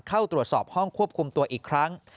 เข้าตรวจสอบห้องควบคุมตัวอีกครั้ง